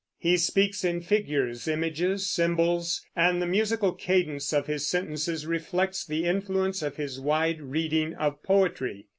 He speaks in figures, images, symbols; and the musical cadence of his sentences reflects the influence of his wide reading of poetry.